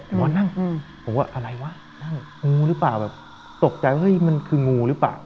หมอนั่งผมว่าอะไรวะนั่งงูหรือเปล่าแบบตกใจเฮ้ยมันคืองูหรือเปล่า